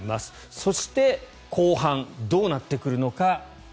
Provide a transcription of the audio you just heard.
そして、後半どうなってくるのか。